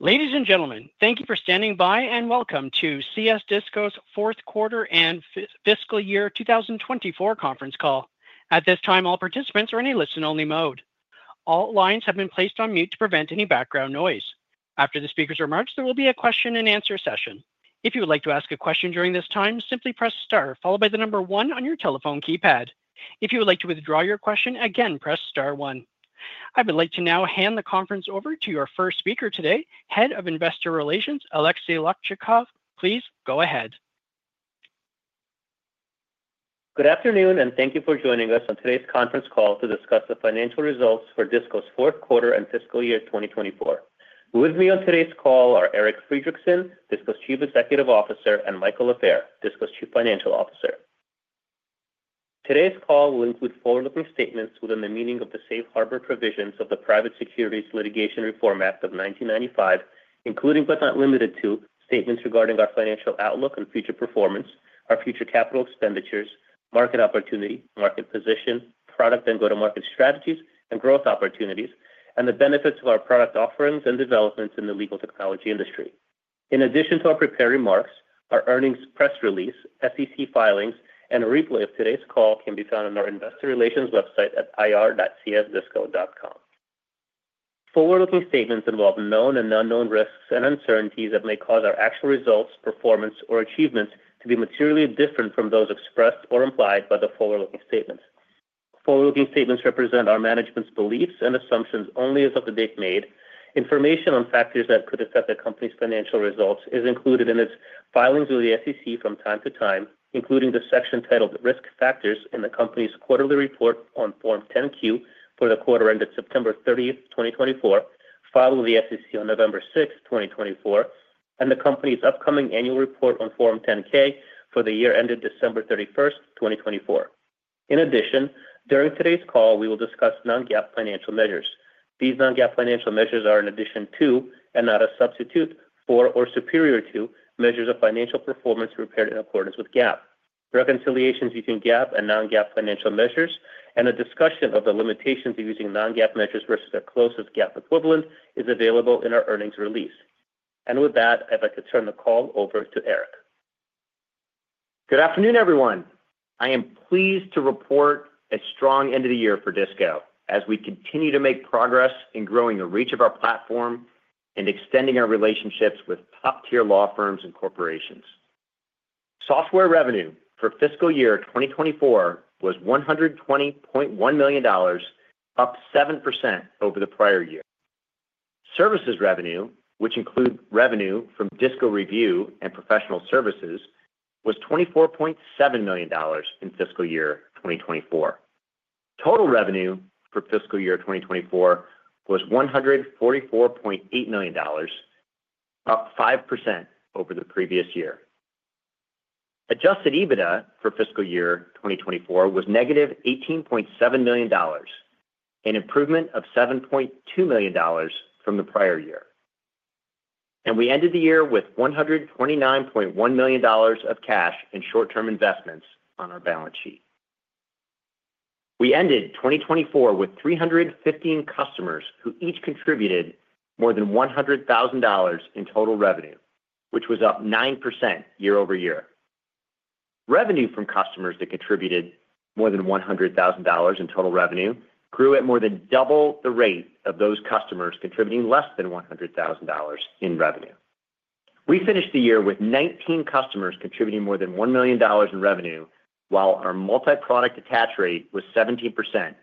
Ladies and gentlemen, thank you for standing by and welcome to CS Disco's fourth quarter and fiscal year 2024 conference call. At this time, all participants are in a listen-only mode. All lines have been placed on mute to prevent any background noise. After the speakers are merged, there will be a question-and-answer session. If you would like to ask a question during this time, simply press Star, followed by the number one on your telephone keypad. If you would like to withdraw your question, again, press Star one. I would like to now hand the conference over to your first speaker today, Head of Investor Relations, Aleksey Lakchakov. Please go ahead. Good afternoon, and thank you for joining us on today's conference call to discuss the financial results for Disco's fourth quarter and fiscal year 2024. With me on today's call are Eric Friedrichsen, Disco's Chief Executive Officer, and Michael Lafair, Disco's Chief Financial Officer. Today's call will include forward-looking statements within the meaning of the safe harbor provisions of the Private Securities Litigation Reform Act of 1995, including, but not limited to, statements regarding our financial outlook and future performance, our future capital expenditures, market opportunity, market position, product and go-to-market strategies, and growth opportunities, and the benefits of our product offerings and developments in the legal technology industry. In addition to our prepared remarks, our earnings press release, SEC filings, and a replay of today's call can be found on our Investor Relations website at ir.csdisco.com. Forward-looking statements involve known and unknown risks and uncertainties that may cause our actual results, performance, or achievements to be materially different from those expressed or implied by the forward-looking statements. Forward-looking statements represent our management's beliefs and assumptions only as of the date made. Information on factors that could affect the company's financial results is included in its filings with the SEC from time to time, including the section titled Risk Factors in the company's quarterly report on Form 10-Q for the quarter ended September 30th, 2024, filed with the SEC on November 6th, 2024, and the company's upcoming annual report on Form 10-K for the year ended December 31st, 2024. In addition, during today's call, we will discuss non-GAAP financial measures. These non-GAAP financial measures are in addition to, and not a substitute for, or superior to, measures of financial performance prepared in accordance with GAAP. Reconciliations using GAAP and non-GAAP financial measures, and a discussion of the limitations of using non-GAAP measures versus their closest GAAP equivalent, is available in our earnings release. And with that, I'd like to turn the call over to Eric. Good afternoon, everyone. I am pleased to report a strong end of the year for DISCO as we continue to make progress in growing the reach of our platform and extending our relationships with top-tier law firms and corporations. Software revenue for fiscal year 2024 was $120.1 million, up 7% over the prior year. Services revenue, which includes revenue from DISCO Review and Professional Services, was $24.7 million in fiscal year 2024. Total revenue for fiscal year 2024 was $144.8 million, up 5% over the previous year. Adjusted EBITDA for fiscal year 2024 was -$18.7 million, an improvement of $7.2 million from the prior year. We ended the year with $129.1 million of cash and short-term investments on our balance sheet. We ended 2024 with 315 customers who each contributed more than $100,000 in total revenue, which was up 9% year-over-year. Revenue from customers that contributed more than $100,000 in total revenue grew at more than double the rate of those customers contributing less than $100,000 in revenue. We finished the year with 19 customers contributing more than $1 million in revenue, while our multi-product attach rate was 17%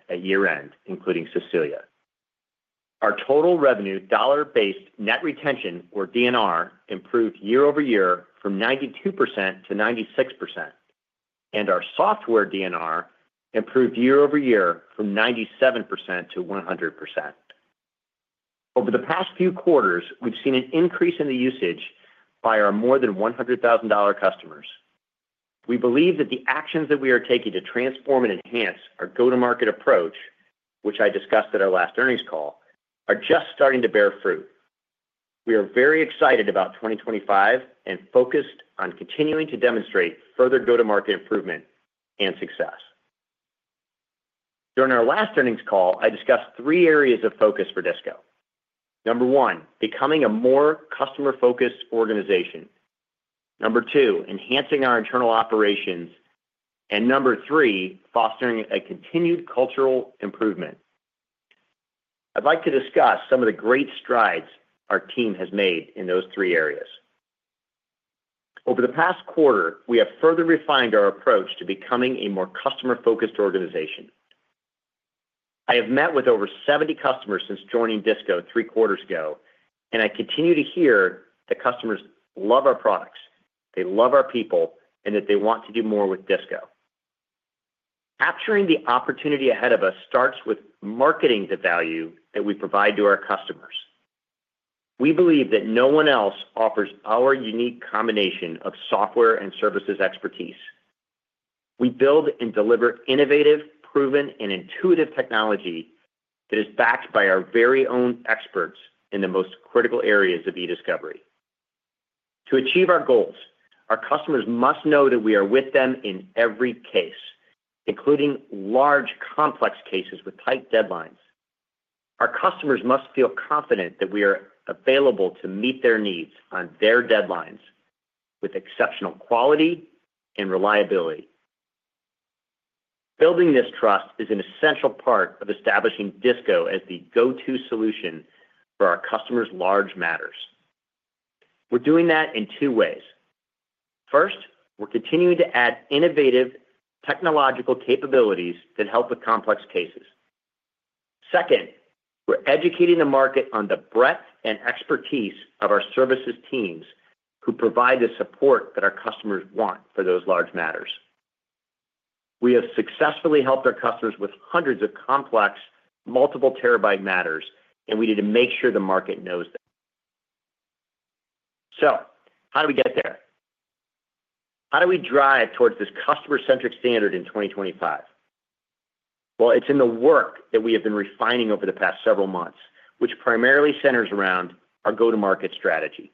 at year-end, including Cecilia. Our total revenue dollar-based net retention, or DNR, improved year-over-year from 92% to 96%, and our software DNR improved year-over-year from 97% to 100%. Over the past few quarters, we've seen an increase in the usage by our more than $100,000 customers. We believe that the actions that we are taking to transform and enhance our go-to-market approach, which I discussed at our last earnings call, are just starting to bear fruit. We are very excited about 2025 and focused on continuing to demonstrate further go-to-market improvement and success. During our last earnings call, I discussed three areas of focus for Disco. Number one, becoming a more customer-focused organization. Number two, enhancing our internal operations, and number three, fostering a continued cultural improvement. I'd like to discuss some of the great strides our team has made in those three areas. Over the past quarter, we have further refined our approach to becoming a more customer-focused organization. I have met with over 70 customers since joining DISCO three quarters ago, and I continue to hear that customers love our products, they love our people, and that they want to do more with Disco. Capturing the opportunity ahead of us starts with marketing the value that we provide to our customers. We believe that no one else offers our unique combination of software and services expertise. We build and deliver innovative, proven, and intuitive technology that is backed by our very own experts in the most critical areas of e-discovery. To achieve our goals, our customers must know that we are with them in every case, including large complex cases with tight deadlines. Our customers must feel confident that we are available to meet their needs on their deadlines with exceptional quality and reliability. Building this trust is an essential part of establishing DISCO as the go-to solution for our customers' large matters. We're doing that in two ways. First, we're continuing to add innovative technological capabilities that help with complex cases. Second, we're educating the market on the breadth and expertise of our services teams who provide the support that our customers want for those large matters. We have successfully helped our customers with hundreds of complex multiple-terabyte matters, and we need to make sure the market knows that. So how do we get there? How do we drive towards this customer-centric standard in 2025? Well, it's in the work that we have been refining over the past several months, which primarily centers around our go-to-market strategy.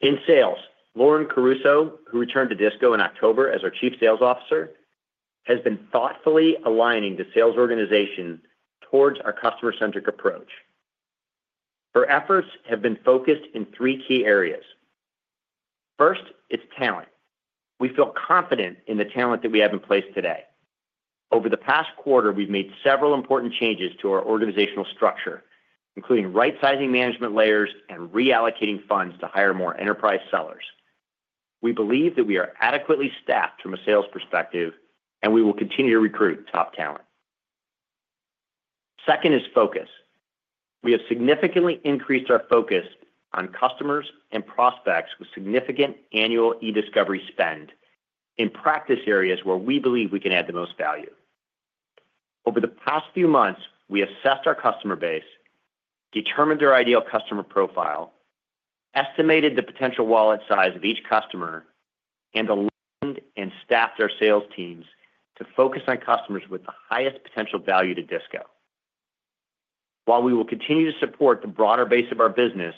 In sales, Lauren Caruso, who returned to DISCO in October as our Chief Sales Officer, has been thoughtfully aligning the sales organization towards our customer-centric approach. Her efforts have been focused in three key areas. First, it's talent. We feel confident in the talent that we have in place today. Over the past quarter, we've made several important changes to our organizational structure, including right-sizing management layers and reallocating funds to hire more enterprise sellers. We believe that we are adequately staffed from a sales perspective, and we will continue to recruit top talent. Second is focus. We have significantly increased our focus on customers and prospects with significant annual e-discovery spend in practice areas where we believe we can add the most value. Over the past few months, we assessed our customer base, determined their ideal customer profile, estimated the potential wallet size of each customer, and aligned and staffed our sales teams to focus on customers with the highest potential value to Disco. While we will continue to support the broader base of our business,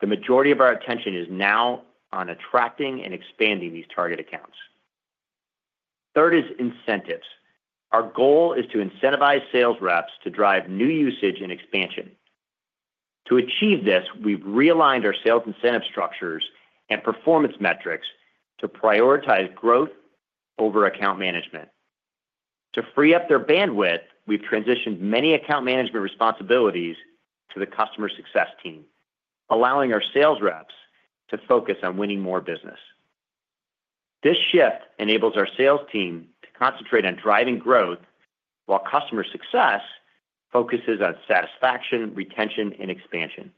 the majority of our attention is now on attracting and expanding these target accounts. Third is incentives. Our goal is to incentivize sales reps to drive new usage and expansion. To achieve this, we've realigned our sales incentive structures and performance metrics to prioritize growth over account management. To free up their bandwidth, we've transitioned many account management responsibilities to the customer success team, allowing our sales reps to focus on winning more business. This shift enables our sales team to concentrate on driving growth while customer success focuses on satisfaction, retention, and expansion.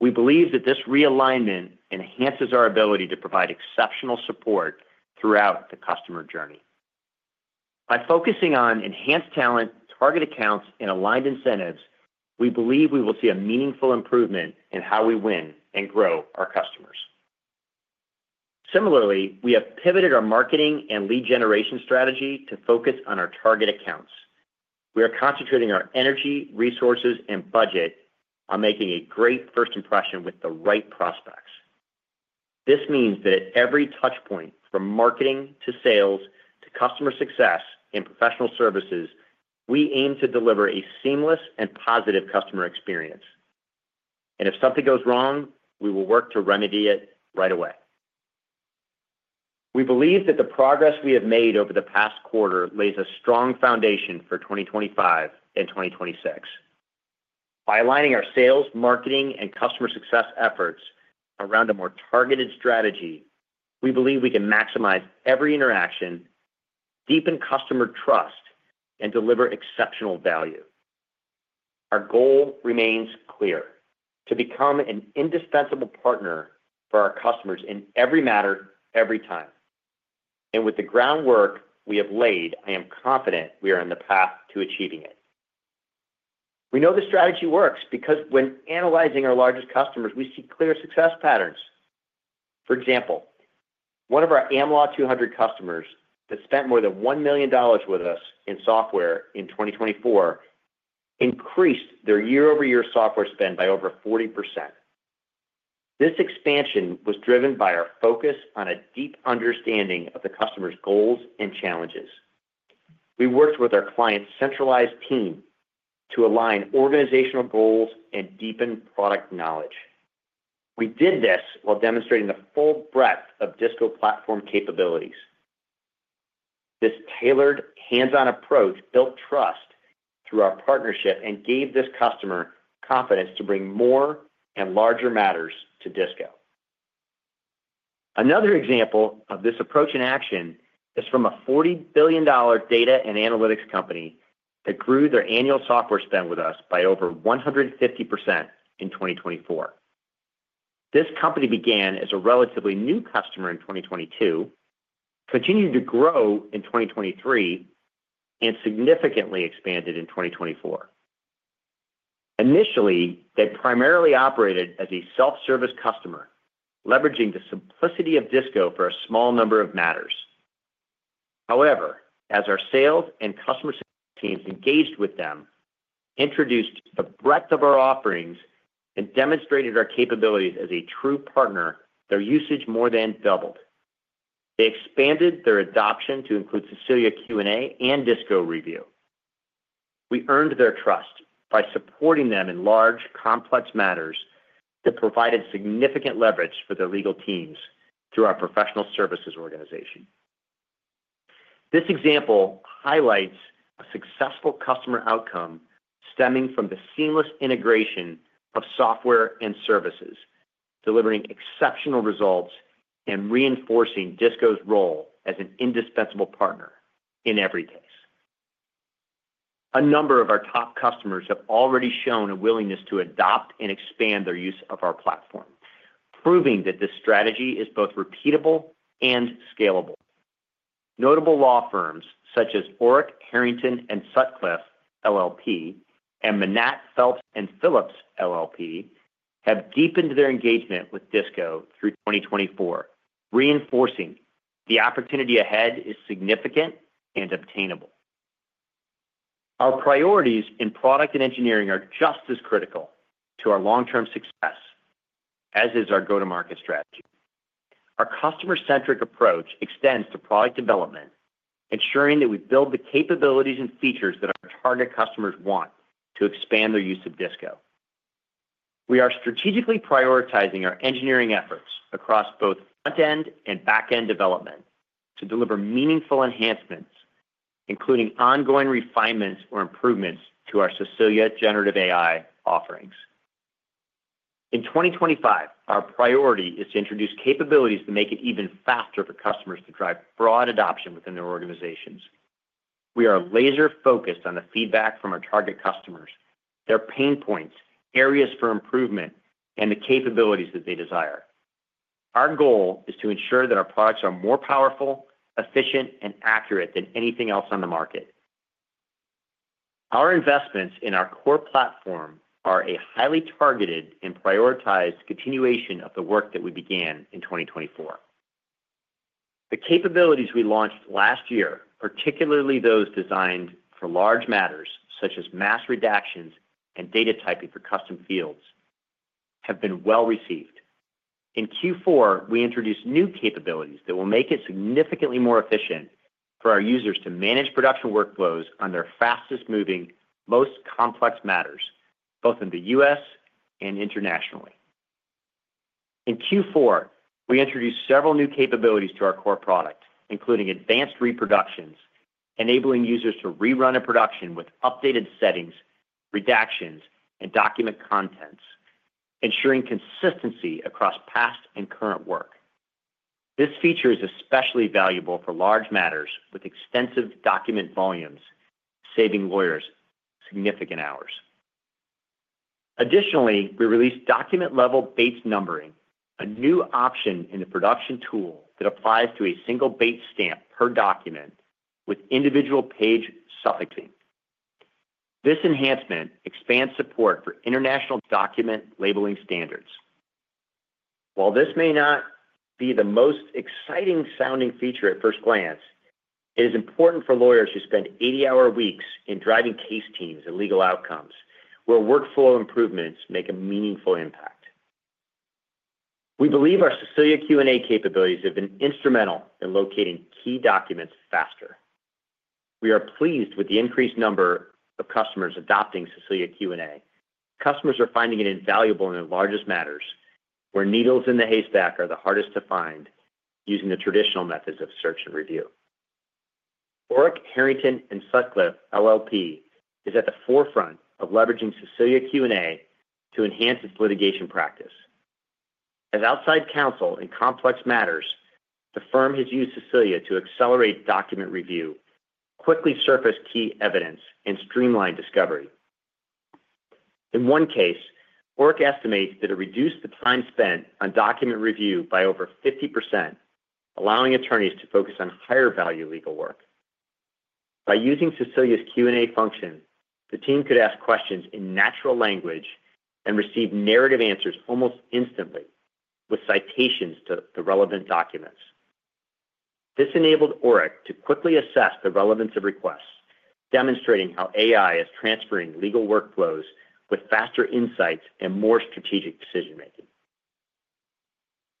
We believe that this realignment enhances our ability to provide exceptional support throughout the customer journey. By focusing on enhanced talent, target accounts, and aligned incentives, we believe we will see a meaningful improvement in how we win and grow our customers. Similarly, we have pivoted our marketing and lead generation strategy to focus on our target accounts. We are concentrating our energy, resources, and budget on making a great first impression with the right prospects. This means that at every touchpoint, from marketing to sales to customer success and professional services, we aim to deliver a seamless and positive customer experience. If something goes wrong, we will work to remedy it right away. We believe that the progress we have made over the past quarter lays a strong foundation for 2025 and 2026. By aligning our sales, marketing, and customer success efforts around a more targeted strategy, we believe we can maximize every interaction, deepen customer trust, and deliver exceptional value. Our goal remains clear: to become an indispensable partner for our customers in every matter, every time. With the groundwork we have laid, I am confident we are on the path to achieving it. We know the strategy works because when analyzing our largest customers, we see clear success patterns. For example, one of our Am Law 200 customers that spent more than $1 million with us in software in 2024 increased their year-over-year software spend by over 40%. This expansion was driven by our focus on a deep understanding of the customer's goals and challenges. We worked with our client's centralized team to align organizational goals and deepen product knowledge. We did this while demonstrating the full breadth of DISCO platform capabilities. This tailored, hands-on approach built trust through our partnership and gave this customer confidence to bring more and larger matters to Disco. Another example of this approach in action is from a $40 billion data and analytics company that grew their annual software spend with us by over 150% in 2024. This company began as a relatively new customer in 2022, continued to grow in 2023, and significantly expanded in 2024. Initially, they primarily operated as a self-service customer, leveraging the simplicity of DISCO for a small number of matters. However, as our sales and customer support teams engaged with them, introduced the breadth of our offerings, and demonstrated our capabilities as a true partner, their usage more than doubled. They expanded their adoption to include Cecilia Q&A and DISCO Review. We earned their trust by supporting them in large, complex matters that provided significant leverage for their legal teams through our professional services organization. This example highlights a successful customer outcome stemming from the seamless integration of software and services, delivering exceptional results and reinforcing Disco's role as an indispensable partner in every case. A number of our top customers have already shown a willingness to adopt and expand their use of our platform, proving that this strategy is both repeatable and scalable. Notable law firms such as Orrick, Herrington & Sutcliffe LLP and Manatt, Phelps & Phillips, LLP have deepened their engagement with DISCO through 2024, reinforcing the opportunity ahead is significant and obtainable. Our priorities in product and engineering are just as critical to our long-term success, as is our go-to-market strategy. Our customer-centric approach extends to product development, ensuring that we build the capabilities and features that our target customers want to expand their use of Disco. We are strategically prioritizing our engineering efforts across both front-end and back-end development to deliver meaningful enhancements, including ongoing refinements or improvements to our Cecilia generative AI offerings. In 2025, our priority is to introduce capabilities to make it even faster for customers to drive broad adoption within their organizations. We are laser-focused on the feedback from our target customers, their pain points, areas for improvement, and the capabilities that they desire. Our goal is to ensure that our products are more powerful, efficient, and accurate than anything else on the market. Our investments in our core platform are a highly targeted and prioritized continuation of the work that we began in 2024. The capabilities we launched last year, particularly those designed for large matters such as mass redactions and data typing for custom fields, have been well received. In Q4, we introduced new capabilities that will make it significantly more efficient for our users to manage production workflows on their fastest-moving, most complex matters, both in the U.S. and internationally. In Q4, we introduced several new capabilities to our core product, including Advanced Productions, enabling users to rerun a production with updated settings, redactions, and document contents, ensuring consistency across past and current work. This feature is especially valuable for large matters with extensive document volumes, saving lawyers significant hours. Additionally, we released document-level Bates numbering, a new option in the production tool that applies to a single Bates stamp per document with individual page suffixing. This enhancement expands support for international document labeling standards. While this may not be the most exciting-sounding feature at first glance, it is important for lawyers who spend 80-hour weeks in driving case teams and legal outcomes where workflow improvements make a meaningful impact. We believe our Cecilia Q&A capabilities have been instrumental in locating key documents faster. We are pleased with the increased number of customers adopting Cecilia Q&A. Customers are finding it invaluable in their largest matters, where needles in the haystack are the hardest to find using the traditional methods of search and review. Orrick, Herrington & Sutcliffe LLP is at the forefront of leveraging Cecilia Q&A to enhance its litigation practice. As outside counsel in complex matters, the firm has used Cecilia to accelerate document review, quickly surface key evidence, and streamline discovery. In one case, Orrick estimates that it reduced the time spent on document review by over 50%, allowing attorneys to focus on higher-value legal work. By using Cecilia's Q&A function, the team could ask questions in natural language and receive narrative answers almost instantly, with citations to the relevant documents. This enabled Orrick to quickly assess the relevance of requests, demonstrating how AI is transferring legal workflows with faster insights and more strategic decision-making.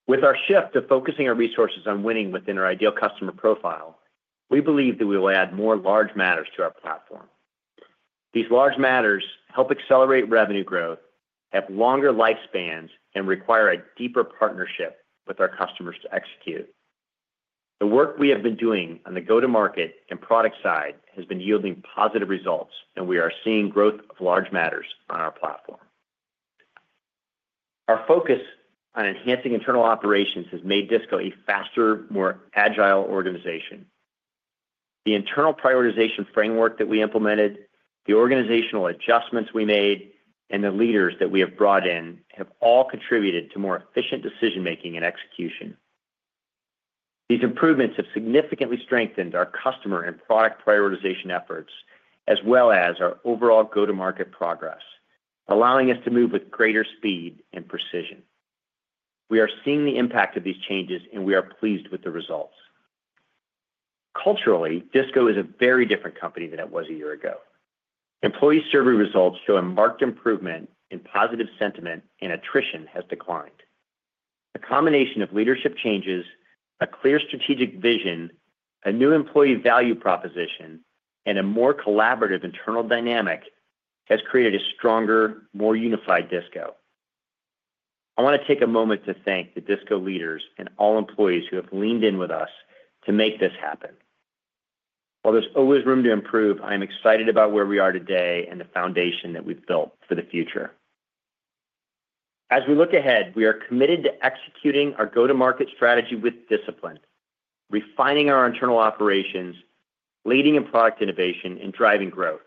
With our shift to focusing our resources on winning within our ideal customer profile, we believe that we will add more large matters to our platform. These large matters help accelerate revenue growth, have longer lifespans, and require a deeper partnership with our customers to execute. The work we have been doing on the go-to-market and product side has been yielding positive results, and we are seeing growth of large matters on our platform. Our focus on enhancing internal operations has made DISCO a faster, more agile organization. The internal prioritization framework that we implemented, the organizational adjustments we made, and the leaders that we have brought in have all contributed to more efficient decision-making and execution. These improvements have significantly strengthened our customer and product prioritization efforts, as well as our overall go-to-market progress, allowing us to move with greater speed and precision. We are seeing the impact of these changes, and we are pleased with the results. Culturally, DISCO is a very different company than it was a year ago. Employee survey results show a marked improvement in positive sentiment, and attrition has declined. A combination of leadership changes, a clear strategic vision, a new employee value proposition, and a more collaborative internal dynamic has created a stronger, more unified Disco. I want to take a moment to thank the DISCO leaders and all employees who have leaned in with us to make this happen. While there's always room to improve, I am excited about where we are today and the foundation that we've built for the future. As we look ahead, we are committed to executing our go-to-market strategy with discipline, refining our internal operations, leading in product innovation, and driving growth.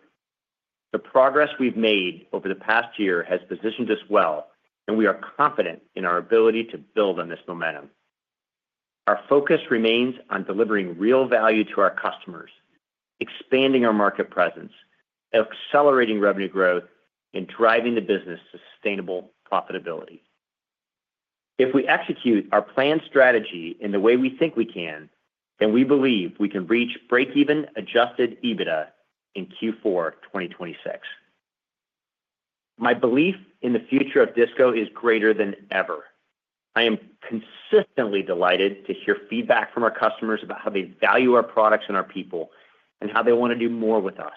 The progress we've made over the past year has positioned us well, and we are confident in our ability to build on this momentum. Our focus remains on delivering real value to our customers, expanding our market presence, accelerating revenue growth, and driving the business to sustainable profitability. If we execute our planned strategy in the way we think we can, then we believe we can reach breakeven Adjusted EBITDA in Q4 2026. My belief in the future of DISCO is greater than ever. I am consistently delighted to hear feedback from our customers about how they value our products and our people and how they want to do more with us.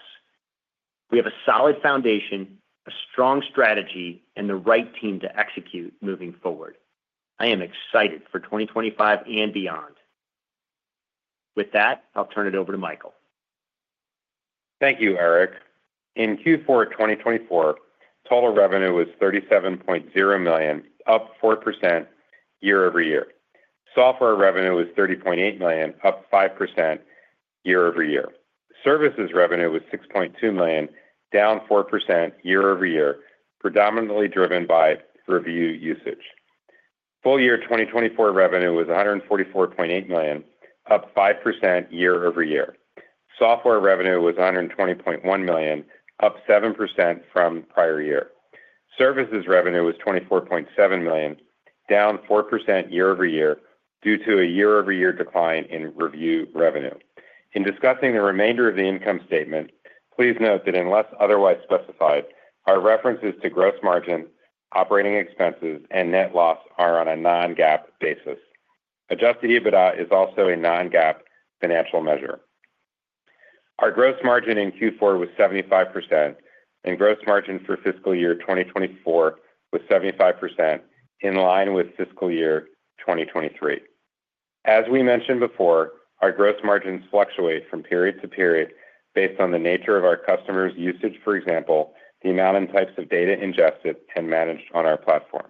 We have a solid foundation, a strong strategy, and the right team to execute moving forward. I am excited for 2025 and beyond. With that, I'll turn it over to Michael. Thank you, Eric. In Q4 2024, total revenue was $37.0 million, up 4% year-over-year. Software revenue was $30.8 million, up 5% year-over-year. Services revenue was $6.2 million, down 4% year-over-year, predominantly driven by review usage. Full year 2024 revenue was $144.8 million, up 5% year-over-year. Software revenue was $120.1 million, up 7% from prior year. Services revenue was $24.7 million, down 4% year-over-year due to a year-over-year decline in review revenue. In discussing the remainder of the income statement, please note that unless otherwise specified, our references to gross margin, operating expenses, and net loss are on a non-GAAP basis. Adjusted EBITDA is also a non-GAAP financial measure. Our gross margin in Q4 was 75%, and gross margin for fiscal year 2024 was 75%, in line with fiscal year 2023. As we mentioned before, our gross margins fluctuate from period to period based on the nature of our customers' usage, for example, the amount and types of data ingested and managed on our platform.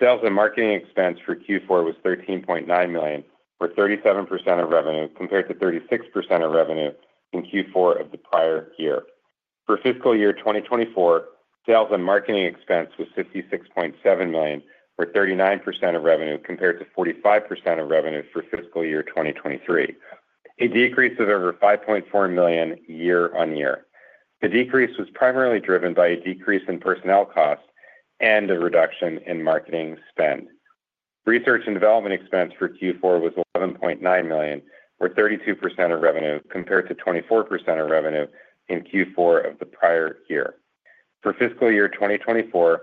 Sales and marketing expense for Q4 was $13.9 million, or 37% of revenue, compared to 36% of revenue in Q4 of the prior year. For fiscal year 2024, sales and marketing expense was $56.7 million, or 39% of revenue, compared to 45% of revenue for fiscal year 2023, a decrease of over $5.4 million year on year. The decrease was primarily driven by a decrease in personnel costs and a reduction in marketing spend. Research and development expense for Q4 was $11.9 million, or 32% of revenue, compared to 24% of revenue in Q4 of the prior year. For fiscal year 2024,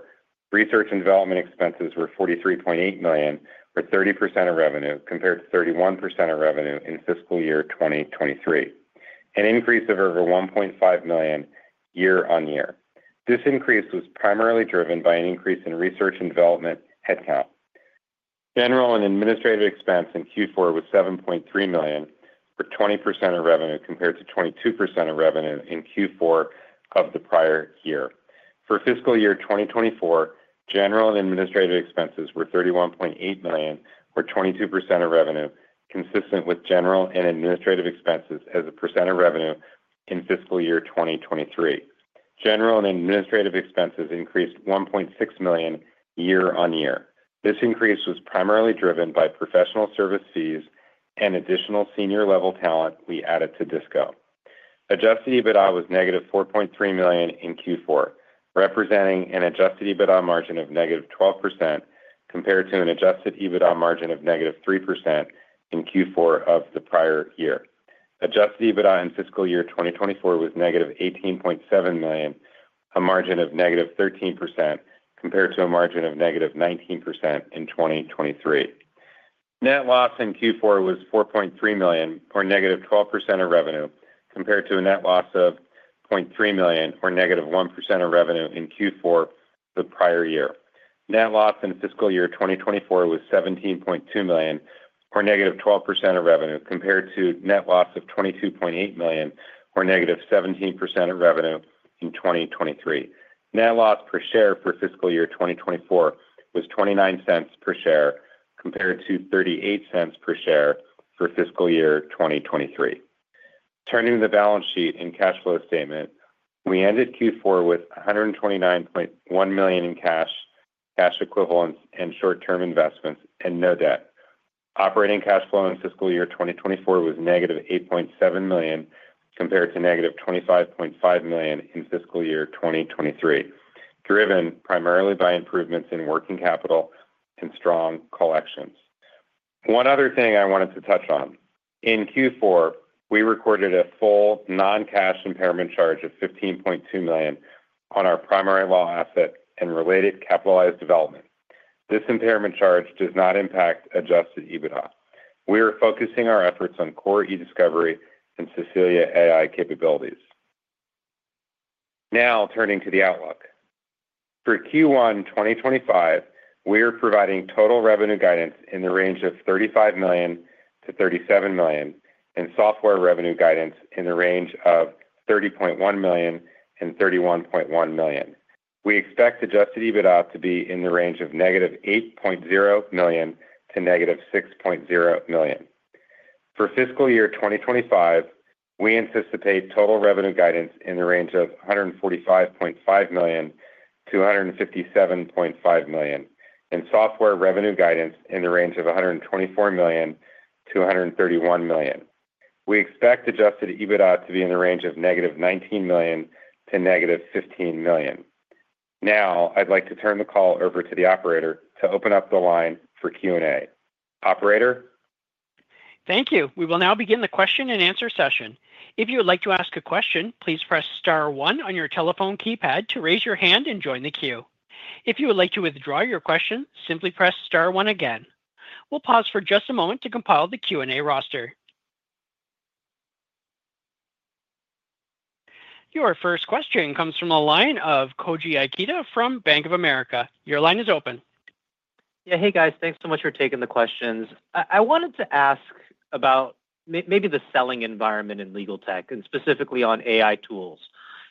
research and development expenses were $43.8 million, or 30% of revenue, compared to 31% of revenue in fiscal year 2023, an increase of over $1.5 million year on year. This increase was primarily driven by an increase in research and development headcount. General and administrative expense in Q4 was $7.3 million, or 20% of revenue, compared to 22% of revenue in Q4 of the prior year. For fiscal year 2024, general and administrative expenses were $31.8 million, or 22% of revenue, consistent with general and administrative expenses as a % of revenue in fiscal year 2023. General and administrative expenses increased $1.6 million year on year. This increase was primarily driven by professional service fees and additional senior-level talent we added to Disco. Adjusted EBITDA was- $4.3 million in Q4, representing an Adjusted EBITDA margin of -12% compared to an Adjusted EBITDA margin of -3% in Q4 of the prior year. Adjusted EBITDA in fiscal year 2024 was -$18.7 million, a margin of -13% compared to a margin of -19% in 2023. Net loss in Q4 was $4.3 million, or -12% of revenue, compared to a net loss of $0.3 million, or -1% of revenue in Q4 the prior year. Net loss in fiscal year 2024 was $17.2 million, or -12% of revenue, compared to net loss of $22.8 million, or -17% of revenue in 2023. Net loss per share for fiscal year 2024 was $0.29 per share, compared to $0.38 per share for fiscal year 2023. Turning the balance sheet and cash flow statement, we ended Q4 with $129.1 million in cash, cash equivalents, and short-term investments, and no debt. Operating cash flow in fiscal year 2024 was -$8.7 million, compared to -$25.5 million in fiscal year 2023, driven primarily by improvements in working capital and strong collections. One other thing I wanted to touch on. In Q4, we recorded a full non-cash impairment charge of $15.2 million on our primary law asset and related capitalized development. This impairment charge does not impact Adjusted EBITDA. We are focusing our efforts on core eDiscovery and Cecilia AI capabilities. Now, turning to the outlook. For Q1 2025, we are providing total revenue guidance in the range of $35 million-$37 million and software revenue guidance in the range of $30.1 million-$31.1 million. We expect Adjusted EBITDA to be in the range of -$8.0 million to -$6.0 million. For fiscal year 2025, we anticipate total revenue guidance in the range of $145.5 million-$157.5 million and software revenue guidance in the range of $124 million-$131 million. We expect Adjusted EBITDA to be in the range of -$19 million to -$15 million. Now, I'd like to turn the call over to the operator to open up the line for Q&A. Operator. Thank you. We will now begin the question and answer session. If you would like to ask a question, please press star 1 on your telephone keypad to raise your hand and join the queue. If you would like to withdraw your question, simply press star 1 again. We'll pause for just a moment to compile the Q&A roster. Your first question comes from the line of Koji Ikeda from Bank of America. Your line is open. Yeah, hey, guys. Thanks so much for taking the questions. I wanted to ask about maybe the selling environment in legal tech, and specifically on AI tools.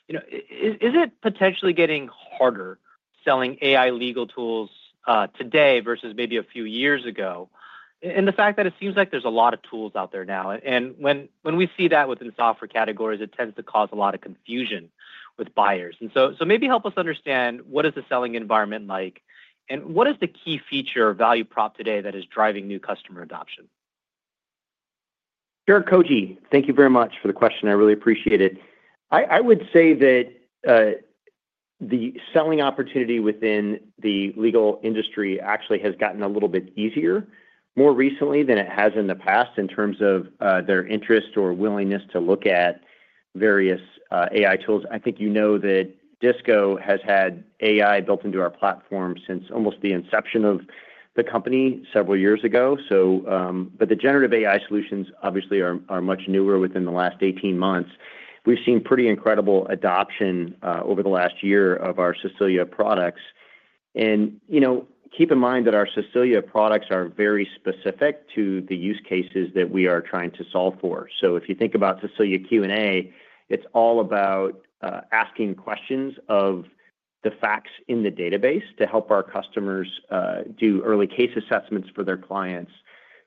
Is it potentially getting harder selling AI legal tools today versus maybe a few years ago? And the fact that it seems like there's a lot of tools out there now. And when we see that within software categories, it tends to cause a lot of confusion with buyers. And so maybe help us understand what is the selling environment like, and what is the key feature or value prop today that is driving new customer adoption? Sure, Koji. Thank you very much for the question. I really appreciate it. I would say that the selling opportunity within the legal industry actually has gotten a little bit easier more recently than it has in the past in terms of their interest or willingness to look at various AI tools. I think you know that DISCO has had AI built into our platform since almost the inception of the company several years ago. But the generative AI solutions, obviously, are much newer within the last 18 months. We've seen pretty incredible adoption over the last year of our Cecilia products. Keep in mind that our Cecilia products are very specific to the use cases that we are trying to solve for. If you think about Cecilia Q&A, it's all about asking questions of the facts in the database to help our customers do early case assessments for their clients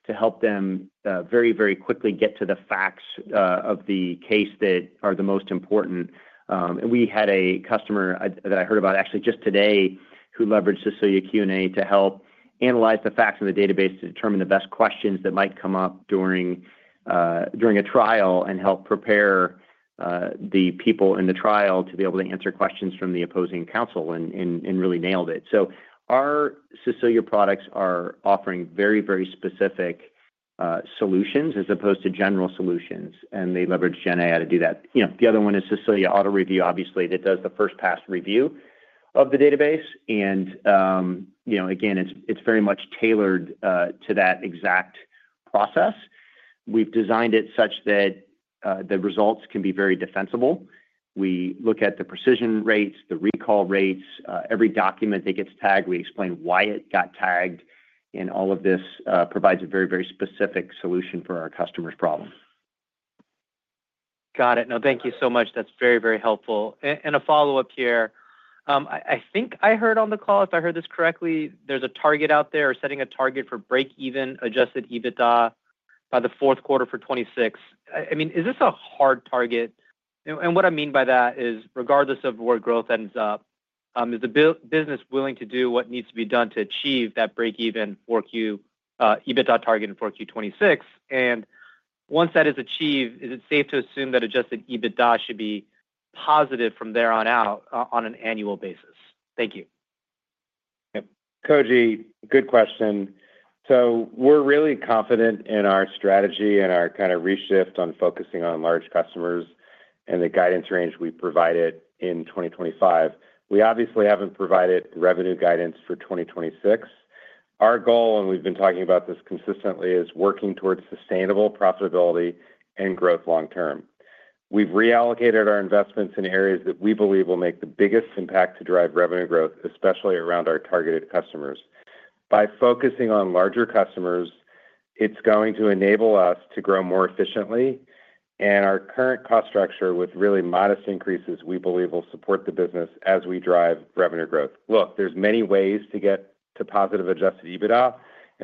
to help them very, very quickly get to the facts of the case that are the most important. We had a customer that I heard about actually just today who leveraged Cecilia Q&A to help analyze the facts in the database to determine the best questions that might come up during a trial and help prepare the people in the trial to be able to answer questions from the opposing counsel and really nailed it. Our Cecilia products are offering very, very specific solutions as opposed to general solutions. They leverage GenAI to do that. The other one is Cecilia Auto Review, obviously, that does the first-pass review of the database. And again, it's very much tailored to that exact process. We've designed it such that the results can be very defensible. We look at the precision rates, the recall rates, every document that gets tagged. We explain why it got tagged. And all of this provides a very, very specific solution for our customer's problem. Got it. No, thank you so much. That's very, very helpful. And a follow-up here. I think I heard on the call, if I heard this correctly, there's a target out there or setting a target for break-even Adjusted EBITDA by the fourth quarter for 2026. I mean, is this a hard target? And what I mean by that is, regardless of where growth ends up, is the business willing to do what needs to be done to achieve that break-even EBITDA target in for Q26? And once that is achieved, is it safe to assume that Adjusted EBITDA should be positive from there on out on an annual basis? Thank you. Yep. Koji, good question. So we're really confident in our strategy and our kind of reshift on focusing on large customers and the guidance range we provided in 2025. We obviously haven't provided revenue guidance for 2026. Our goal, and we've been talking about this consistently, is working towards sustainable profitability and growth long-term. We've reallocated our investments in areas that we believe will make the biggest impact to drive revenue growth, especially around our targeted customers. By focusing on larger customers, it's going to enable us to grow more efficiently. Our current cost structure with really modest increases, we believe, will support the business as we drive revenue growth. Look, there's many ways to get to positive Adjusted EBITDA.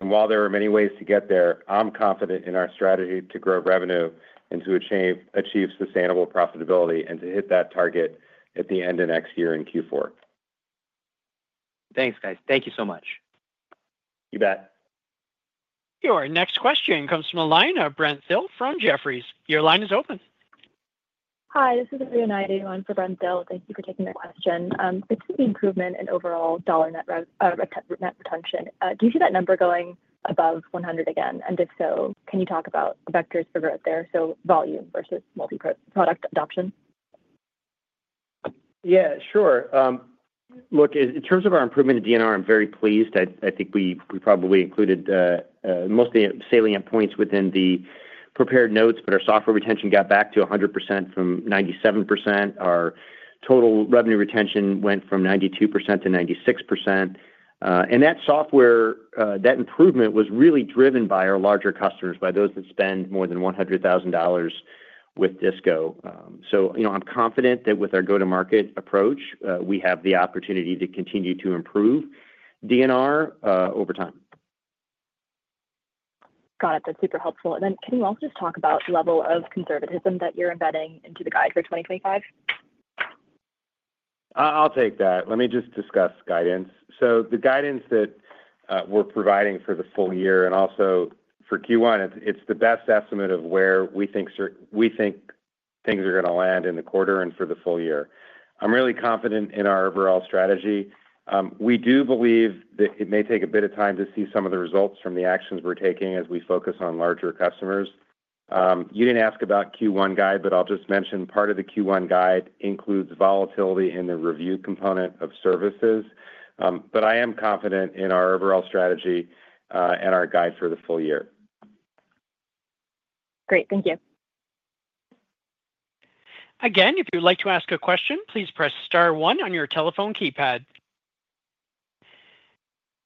While there are many ways to get there, I'm confident in our strategy to grow revenue and to achieve sustainable profitability and to hit that target at the end of next year in Q4. Thanks, guys. Thank you so much. You bet. Your next question comes from the line of Brent Thill from Jefferies. Your line is open. Hi, this is Laya Naidi. I'm for Brent Thill. Thank you for taking the question. Specific improvement in overall dollar net retention. Do you see that number going above 100 again? And if so, can you talk about vectors for growth there? So volume versus multi-product adoption? Yeah, sure. Look, in terms of our improvement in DNR, I'm very pleased. I think we probably included mostly salient points within the prepared notes, but our software retention got back to 100% from 97%. Our total revenue retention went from 92% to 96%. And that software, that improvement was really driven by our larger customers, by those that spend more than $100,000 with Disco. So I'm confident that with our go-to-market approach, we have the opportunity to continue to improve DNR over time. Got it. That's super helpful. And then can you also just talk about the level of conservatism that you're embedding into the guide for 2025? I'll take that. Let me just discuss guidance. So the guidance that we're providing for the full year and also for Q1, it's the best estimate of where we think things are going to land in the quarter and for the full year. I'm really confident in our overall strategy. We do believe that it may take a bit of time to see some of the results from the actions we're taking as we focus on larger customers. You didn't ask about Q1 guide, but I'll just mention part of the Q1 guide includes volatility in the review component of services, but I am confident in our overall strategy and our guide for the full year. Great. Thank you. Again, if you'd like to ask a question, please press star 1 on your telephone keypad.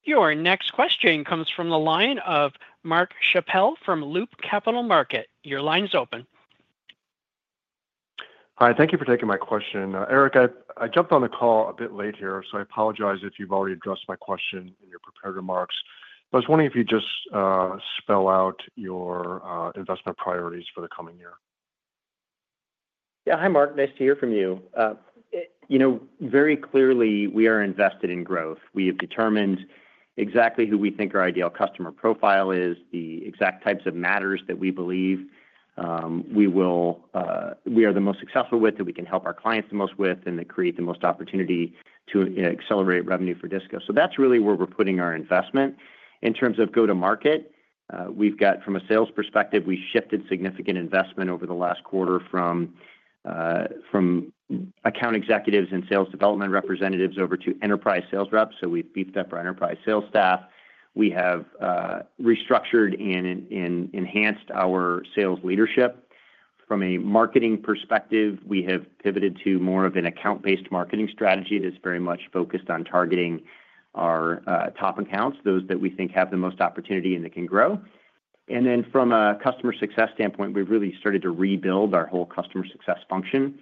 Your next question comes from the line of Mark Schappel from Loop Capital Markets. Your line is open. Hi, thank you for taking my question. Eric, I jumped on the call a bit late here, so I apologize if you've already addressed my question in your prepared remarks. I was wondering if you'd just spell out your investment priorities for the coming year. Yeah. Hi, Mark. Nice to hear from you. Very clearly, we are invested in growth. We have determined exactly who we think our ideal customer profile is, the exact types of matters that we believe we are the most successful with, that we can help our clients the most with, and that create the most opportunity to accelerate revenue for Disco. So that's really where we're putting our investment. In terms of go-to-market, from a sales perspective, we shifted significant investment over the last quarter from account executives and sales development representatives over to enterprise sales reps. So we've beefed up our enterprise sales staff. We have restructured and enhanced our sales leadership. From a marketing perspective, we have pivoted to more of an account-based marketing strategy that's very much focused on targeting our top accounts, those that we think have the most opportunity and that can grow. And then from a customer success standpoint, we've really started to rebuild our whole customer success function.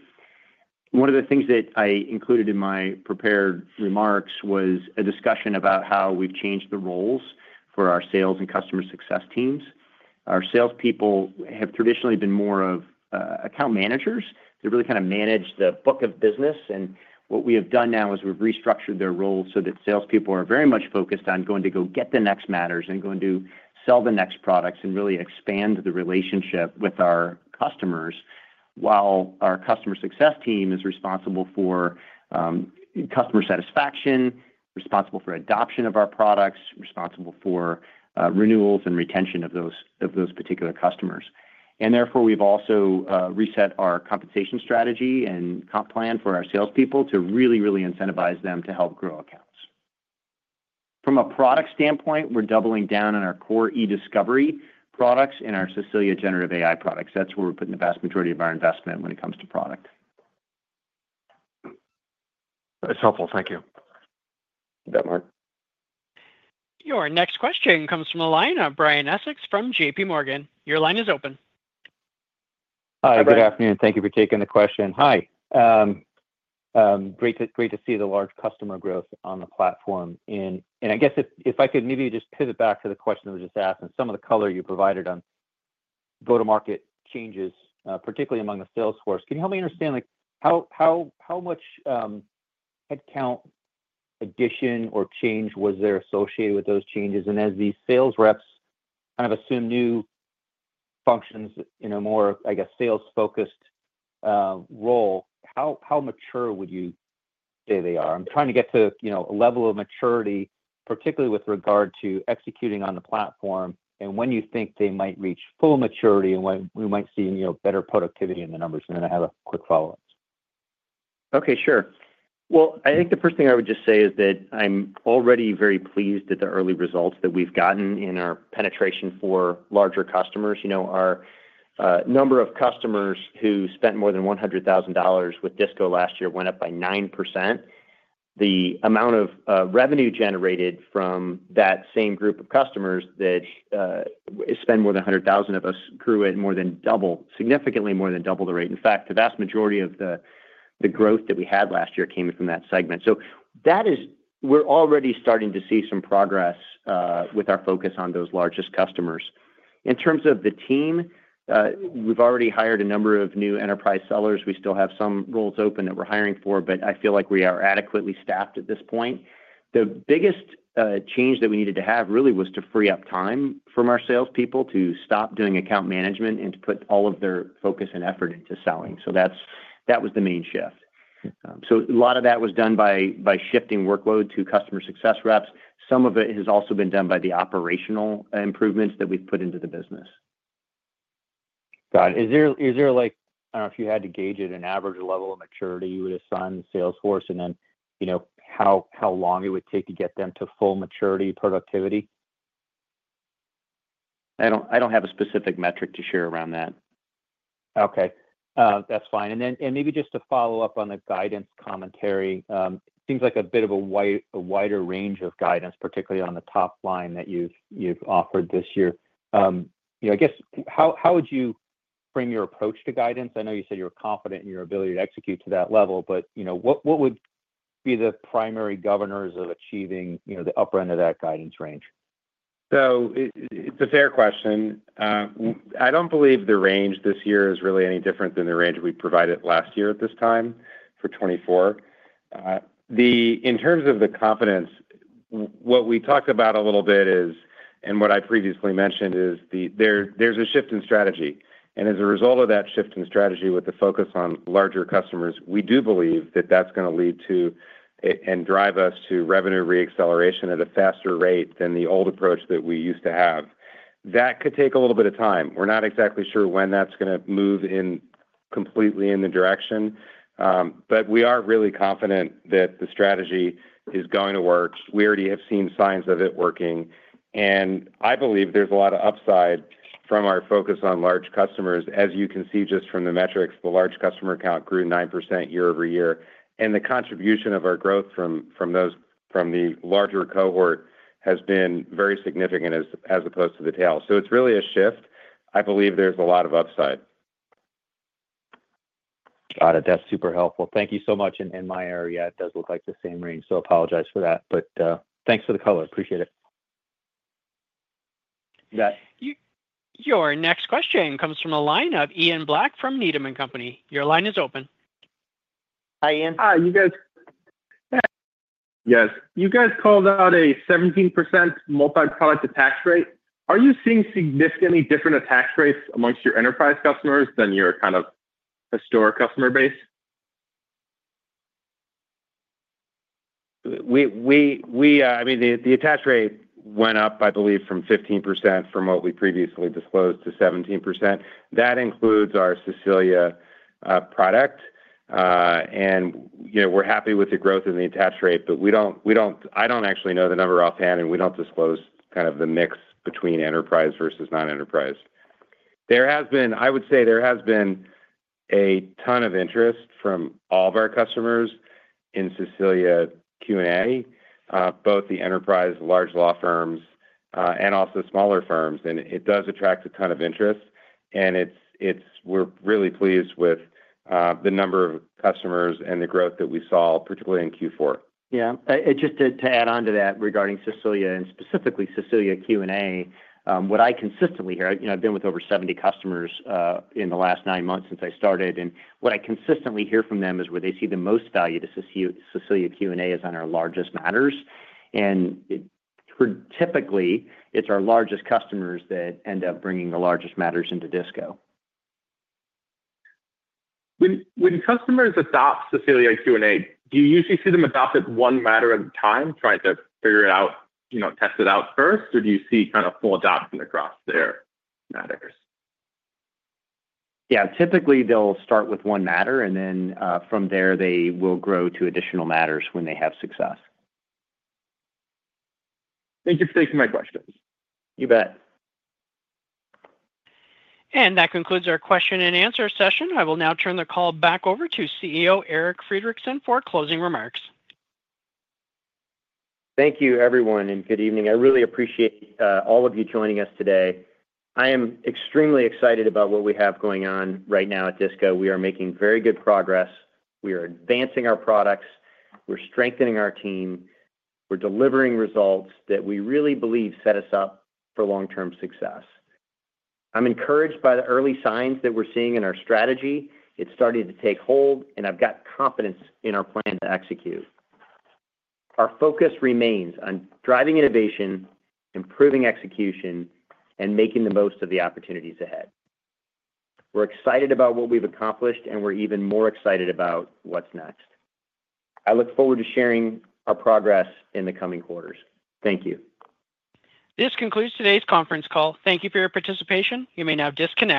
One of the things that I included in my prepared remarks was a discussion about how we've changed the roles for our sales and customer success teams. Our salespeople have traditionally been more of account managers. They really kind of manage the book of business. And what we have done now is we've restructured their roles so that salespeople are very much focused on going to go get the next matters and going to sell the next products and really expand the relationship with our customers while our customer success team is responsible for customer satisfaction, responsible for adoption of our products, responsible for renewals and retention of those particular customers. And therefore, we've also reset our compensation strategy and comp plan for our salespeople to really, really incentivize them to help grow accounts. From a product standpoint, we're doubling down on our core eDiscovery products and our Cecilia generative AI products. That's where we're putting the vast majority of our investment when it comes to product. That's helpful. Thank you. You bet, Mark. Your next question comes from the line of Brian Essex from JPMorgan. Your line is open. Hi. Good afternoon. Thank you for taking the question. Hi. Great to see the large customer growth on the platform. And I guess if I could maybe just pivot back to the question that was just asked and some of the color you provided on go-to-market changes, particularly among the salesforce, can you help me understand how much headcount addition or change was there associated with those changes? As these sales reps kind of assume new functions in a more, I guess, sales-focused role, how mature would you say they are? I'm trying to get to a level of maturity, particularly with regard to executing on the platform and when you think they might reach full maturity and when we might see better productivity in the numbers. I have a quick follow-up. Okay. Sure. I think the first thing I would just say is that I'm already very pleased that the early results that we've gotten in our penetration for larger customers. Our number of customers who spent more than $100,000 with Disco last year went up by 9%. The amount of revenue generated from that same group of customers that spend more than $100,000 with us grew at more than double, significantly more than double the rate. In fact, the vast majority of the growth that we had last year came from that segment. So we're already starting to see some progress with our focus on those largest customers. In terms of the team, we've already hired a number of new enterprise sellers. We still have some roles open that we're hiring for, but I feel like we are adequately staffed at this point. The biggest change that we needed to have really was to free up time from our salespeople to stop doing account management and to put all of their focus and effort into selling. So that was the main shift. So a lot of that was done by shifting workload to customer success reps. Some of it has also been done by the operational improvements that we've put into the business. Got it. Is there—I don't know if you had to gauge it—an average level of maturity you would assign the sales force and then how long it would take to get them to full maturity productivity? I don't have a specific metric to share around that. Okay. That's fine. And maybe just to follow up on the guidance commentary, it seems like a bit of a wider range of guidance, particularly on the top line that you've offered this year. I guess, how would you frame your approach to guidance? I know you said you were confident in your ability to execute to that level, but what would be the primary governors of achieving the upper end of that guidance range? So it's a fair question. I don't believe the range this year is really any different than the range we provided last year at this time for 2024. In terms of the confidence, what we talked about a little bit is, and what I previously mentioned is there's a shift in strategy, and as a result of that shift in strategy with the focus on larger customers, we do believe that that's going to lead to and drive us to revenue re-acceleration at a faster rate than the old approach that we used to have. That could take a little bit of time. We're not exactly sure when that's going to move completely in the direction, but we are really confident that the strategy is going to work. We already have seen signs of it working, and I believe there's a lot of upside from our focus on large customers. As you can see just from the metrics, the large customer count grew 9% year-over-year. And the contribution of our growth from the larger cohort has been very significant as opposed to the tail. So it's really a shift. I believe there's a lot of upside. Got it. That's super helpful. Thank you so much. And in my area, it does look like the same range. So I apologize for that. But thanks for the color. Appreciate it. Your next question comes from a line of Ian Black from Needham & Company. Your line is open. Hi, Ian. Hi, you guys. Yes. You guys called out a 17% multi-product attach rate. Are you seeing significantly different attach rates amongst your enterprise customers than your kind of historic customer base? I mean, the attach rate went up, I believe, from 15% from what we previously disclosed to 17%. That includes our Cecilia product. We're happy with the growth in the attach rate, but I don't actually know the number offhand, and we don't disclose kind of the mix between enterprise versus non-enterprise. I would say there has been a ton of interest from all of our customers in Cecilia Q&A, both the enterprise, large law firms, and also smaller firms. It does attract a ton of interest. We're really pleased with the number of customers and the growth that we saw, particularly in Q4. Yeah. Just to add on to that regarding Cecilia and specifically Cecilia Q&A, what I consistently hear, I've been with over 70 customers in the last nine months since I started, and what I consistently hear from them is where they see the most value to Cecilia Q&A is on our largest matters. Typically, it's our largest customers that end up bringing the largest matters into Disco. When customers adopt Cecilia Q&A, do you usually see them adopt it one matter at a time, trying to figure it out, test it out first, or do you see kind of full adoption across their matters? Yeah. Typically, they'll start with one matter, and then from there, they will grow to additional matters when they have success. Thank you for taking my questions. You bet. And that concludes our question and answer session. I will now turn the call back over to CEO Eric Friedrichsen for closing remarks. Thank you, everyone, and good evening. I really appreciate all of you joining us today. I am extremely excited about what we have going on right now at Disco. We are making very good progress. We are advancing our products. We're strengthening our team. We're delivering results that we really believe set us up for long-term success. I'm encouraged by the early signs that we're seeing in our strategy. It's starting to take hold, and I've got confidence in our plan to execute. Our focus remains on driving innovation, improving execution, and making the most of the opportunities ahead. We're excited about what we've accomplished, and we're even more excited about what's next. I look forward to sharing our progress in the coming quarters. Thank you. This concludes today's conference call. Thank you for your participation. You may now disconnect.